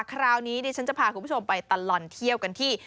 คราวนี้ดิฉันจะพาคุณผู้ชมไปตลอดเที่ยวกันที่